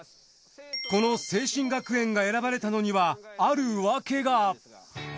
この清真学園が選ばれたのにはあるわけが。